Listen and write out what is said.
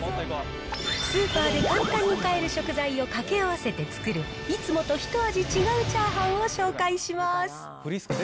スーパーで簡単に買える食材を掛け合わせて作る、いつもと一味違うチャーハンを紹介します。